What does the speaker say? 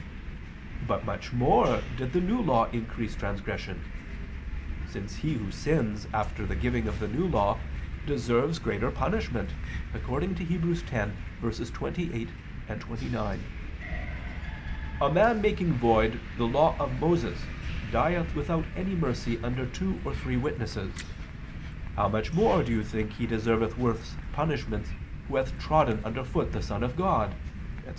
But much more did the New Law increase transgression: since he who sins after the giving of the New Law deserves greater punishment, according to Heb. 10:28, 29: "A man making void the Law of Moses dieth without any mercy under two or three witnesses. How much more, do you think, he deserveth worse punishments, who hath trodden underfoot the Son of God," etc.?